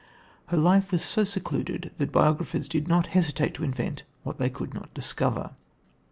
Her life was so secluded that biographers did not hesitate to invent what they could not discover.